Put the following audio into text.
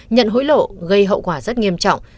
nhận hối lộ gây hậu quả rất nghiêm trọng